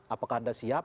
apakah anda siap